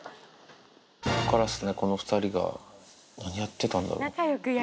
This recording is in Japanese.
ここからですね、この２人が、何やってたんだろうって。